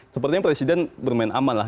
sepertinya presiden bermain aman lah